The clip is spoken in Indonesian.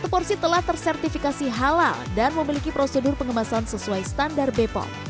satu porsi telah tersertifikasi halal dan memiliki prosedur pengemasan sesuai standar bepom